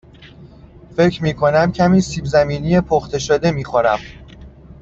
فکر می کنم کمی سیب زمینی پخته شده می خورم.